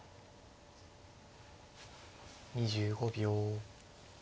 ２５秒。